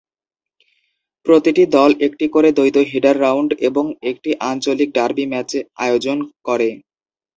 প্রতিটি দল একটি করে দ্বৈত হেডার রাউন্ড এবং একটি আঞ্চলিক ডার্বি ম্যাচ আয়োজন করে।